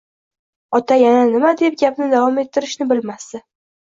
Ota yana nima deb gapni davom ettirishni bilmasdi